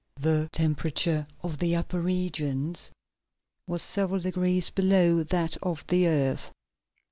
The temperature of the upper regions was several degrees below that of the earth.